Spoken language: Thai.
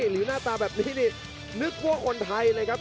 หรือน่าตาแบบนี้นึกกว่าคนไทยเลยครับ